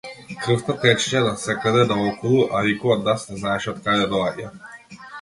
Крвта течеше насекаде наоколу, а никој од нас не знаеше од каде доаѓа.